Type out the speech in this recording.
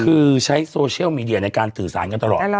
คือใช้โซเชียลมีเดียในการสื่อสารกันตลอด